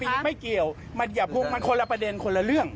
มันไม่มีไม่เกี่ยวมันคนละประเด็นคนละเรื่อง